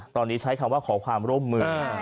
ตอนนี้ใช้คำว่าขอความร่วมมือ